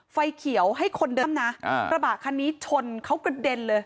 ไฟเขียวให้คนเดิมนะกระบะคันนี้ชนเขากระเด็นเลย